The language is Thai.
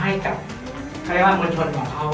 และมีตัดเขียนแทบพวกมวลชนของเขา